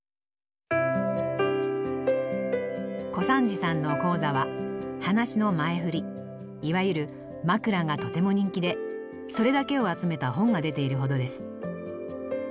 小三治さんの高座は話の前振りいわゆる「まくら」がとても人気でそれだけを集めた本が出ているほどです。